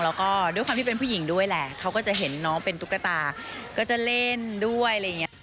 แล้วด้วยความเป็นผู้หญิงด้วยแหละเขาก็เห็นน้องเป็นตุ๊กกระต่าก็จะเล่นด้วย